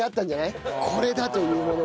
これだ！というものが。